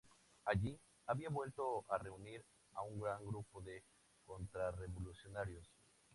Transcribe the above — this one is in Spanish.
Allí había vuelto a reunir a un grupo de contrarrevolucionarios.